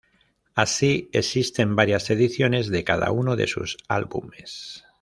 Así, existen varias ediciones de cada uno de sus álbumes.